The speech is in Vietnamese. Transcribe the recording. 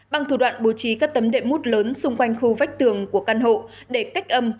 bằng thủ đoạn bố trí các tấm đệm mút lớn xung quanh khu vách tường của căn hộ để cách âm